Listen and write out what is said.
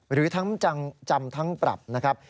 หรือทั้งจำทั้งปรับนะครับ